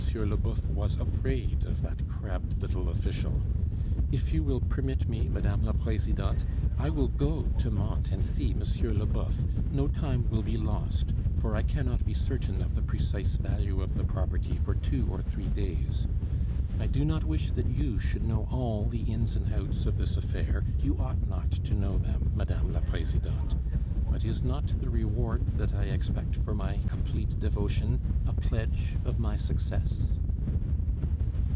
Leboeuf was afraid of that crabbed little official. If you will permit me, Madame La Presidente, I will go to Mantes and see M. Leboeuf. No time will be lost, for I cannot be certain of the precise value of the property for two or three days. I do not wish that you should know all the ins and outs of this affair; you ought not to know them, Mme. la Presidente, but is not the reward that I expect for my complete devotion a pledge of my success?"